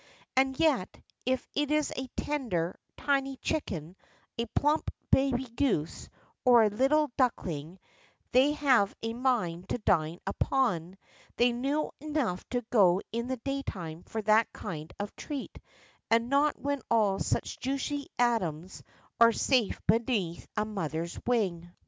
And yet, if it is a tender, tiny chicken, a plump bahy goose, or a little duckling they have a mind to dine upon, they know enough to go in the daytime for that kind of a treat, and not when all such juicy atoms are safe beneath a mother's wing.